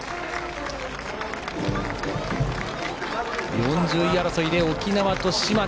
４０位争い、沖縄と島根。